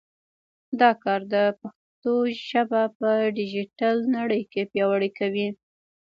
دا کار د پښتو ژبه په ډیجیټل نړۍ کې پیاوړې کوي.